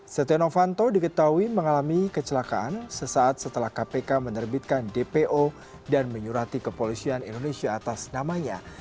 setia novanto diketahui mengalami kecelakaan sesaat setelah kpk menerbitkan dpo dan menyurati kepolisian indonesia atas namanya